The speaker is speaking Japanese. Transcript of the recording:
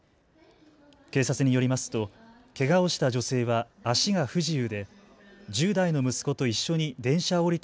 警察によりますとけがをした女性は足が不自由で１０代の息子と一緒に電車を降りた